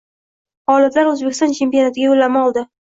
G‘oliblar O‘zbekiston chempionatiga yo‘llanma oldi